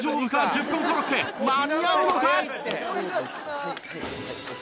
１０分コロッケ間に合うのか？